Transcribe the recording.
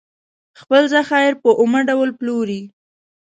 خپل ذخایر په اومه ډول پلوري.